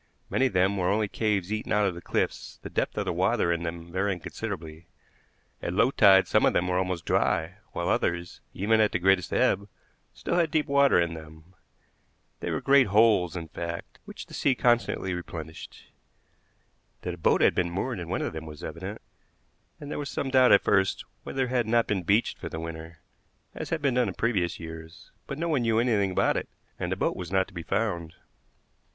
Many of them were only caves eaten out of the cliffs, the depth of water in them varying considerably. At low tide some of them were almost dry, while others, even at the greatest ebb, still had deep water in them. They were great holes, in fact, which the sea constantly replenished. That a boat had been moored in one of them was evident, and there was some doubt at first whether it had not been beached for the winter, as had been done in previous years; but no one knew anything about it, and the boat was not to be found.